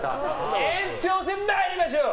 延長戦に入りましょう！